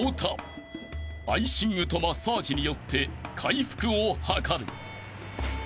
［アイシングとマッサージによって回復を図る］